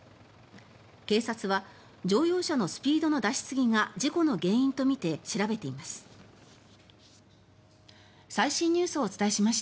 警察は乗用車のスピードの出しすぎが事故の原因とみて調べています。